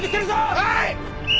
はい！